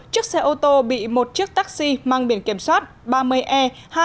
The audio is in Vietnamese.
chiếc xe ô tô bị một chiếc taxi mang biển kiểm soát ba mươi e hai trăm hai mươi năm năm mươi bảy